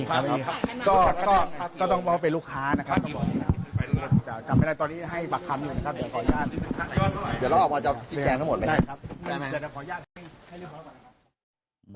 ครับก็ต้องว่าเป็นลูกค้านะครับกลม